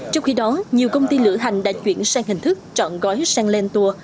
trong khi đó nhiều công ty lửa hành đã chuyển sang hình thức trọn gói sang lên tour